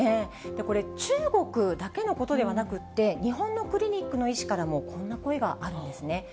これ、中国だけのことではなくて、日本のクリニックの医師からも、こんな声があるんですね。